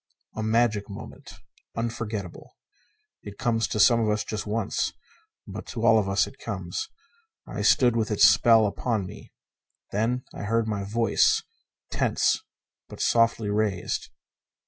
A magic moment. Unforgettable. It comes to some of us just once, but to all of us it comes. I stood with its spell upon me. Then I heard my voice, tense but softly raised.